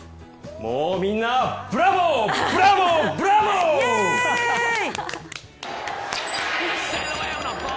もうみんなブラボー、ブラボー、ブラボー！